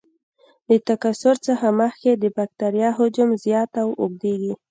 د تکثر څخه مخکې د بکټریا حجم زیات او اوږدیږي.